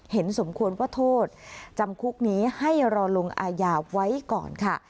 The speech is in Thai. สมควรว่าโทษจำคุกนี้ให้รอลงอาญาไว้ก่อนค่ะ